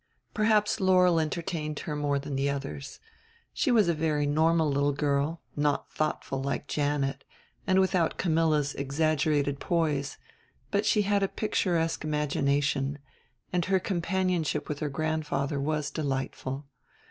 Perhaps Laurel entertained her more than the others. She was a very normal little girl, not thoughtful like Janet, and without Camilla's exaggerated poise; but she had a picturesque imagination; and her companionship with her grandfather was delightful.